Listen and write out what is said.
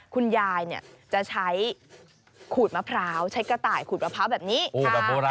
คุณยายเนี่ยจะใช้ขูดมะพร้าวใช้กระต่ายขูดมะพร้าวแบบนี้